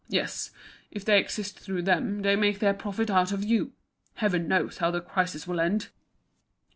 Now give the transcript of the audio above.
Yes, if they exist through them, they make their profit out of you. Heaven knows how the crisis will end!"